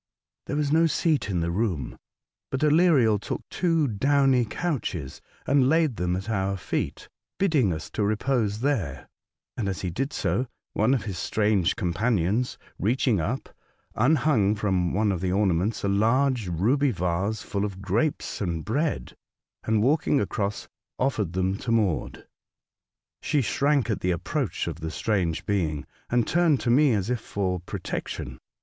There was no seat in the room ; but Aleriel took two downy couches and laid them at our feet, bidding us repose there, and, as he did so. Jiingfrau, 205 one of his strange companions, reacliing up, unhung from one of the ornaments a large ruby vase full of grapes and bread, and, walking across, offered them to Maude. She shrank at the approach of the strange being, and turned to me as if for protection.